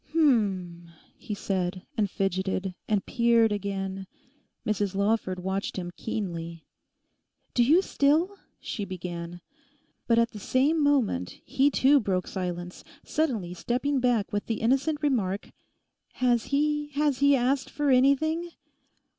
'H'm!' he said, and fidgeted, and peered again. Mrs Lawford watched him keenly. 'Do you still—' she began. But at the same moment he too broke silence, suddenly stepping back with the innocent remark, 'Has he—has he asked for anything?